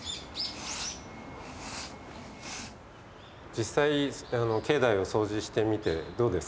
実際境内をそうじしてみてどうですか？